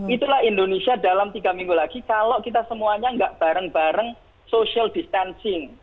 itulah indonesia dalam tiga minggu lagi kalau kita semuanya nggak bareng bareng social distancing